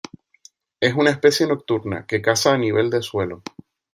Es una especie nocturna, que caza a nivel de suelo.